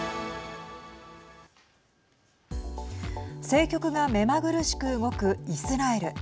政局が目まぐるしく動くイスラエル。